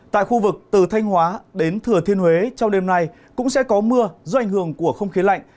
tại khu vực từ thanh hóa đến thừa thiên huế trong đêm nay cũng sẽ có mưa do ảnh hưởng của không khí lạnh